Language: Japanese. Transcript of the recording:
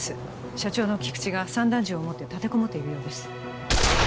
社長の菊知が散弾銃を持って立てこもっているようです